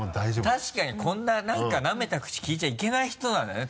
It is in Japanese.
確かにこんな何かなめた口利いちゃいけない人なんだよね。